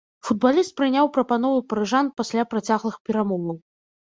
Футбаліст прыняў прапанову парыжан пасля працяглых перамоваў.